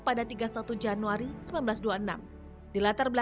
pada tahun seribu sembilan ratus dua belas nu menerima keuntungan di indonesia